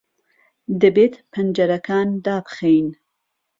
دەبێت پەنجەرەکان دابخەین.